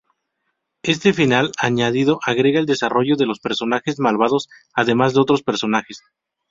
Este final añadido agrega el desarrollo de los personajes malvados además de otros personajes.